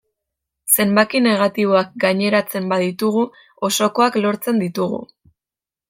Zenbaki negatiboak gaineratzen ba ditugu, osokoak lortzen ditugu.